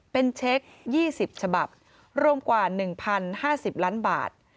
เป็นเช็ค๒๐ฉบับรวมกว่า๑๐๕๐ล้านบาท